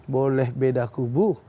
boleh beda kubu